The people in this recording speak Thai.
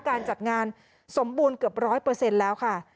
การจัดงานสมบูรณ์เกือบ๑๐๐แล้วค่ะ